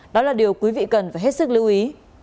đó là điều quý vị cần phải hết sức lưu ý